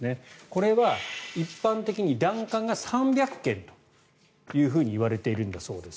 これは一般的に檀家が３００軒といわれているんだそうです。